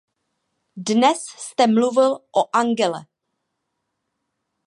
Dnes jste mluvil o Angele.